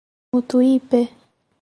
Mutuípe